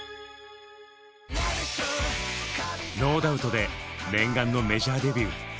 「ノーダウト」で念願のメジャーデビュー。